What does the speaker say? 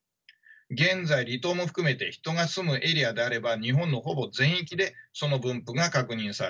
現在離島も含めて人が住むエリアであれば日本のほぼ全域でその分布が確認されています。